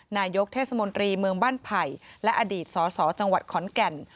นายกเทศมนตรีเมืองบ้านไผ่และอดีตสสจังหวัดขอนแก่น